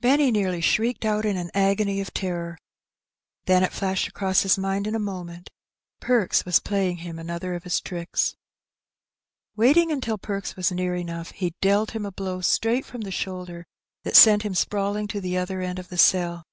Benny nearly shrieked 188 Hbe Benny. out in an agony of terror. Then it flashed across his mind in a moment — Perks was playing him another of his tricks. Waiting until Perks was near enough^ he dealt him a blow straight from the shoulder that sent him sprawling to the other end of the cell.